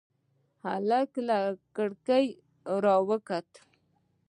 هلک له کړکۍ بهر وکتل.